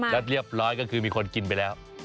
แล้วเรียบร้อยก็คือมีคนกินไปแล้ว